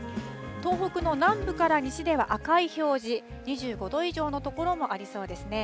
東北の南部から西では赤い表示、２５度以上の所もありそうですね。